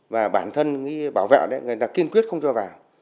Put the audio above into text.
và bản thân bảo vệ người ta kiên quyết không cho vào